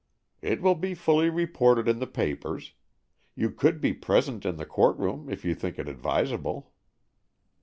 "It will be fully reported in the papers. You could be present in the court room if you think it advisable."